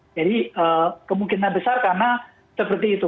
jadi kemungkinan besar karena seperti itu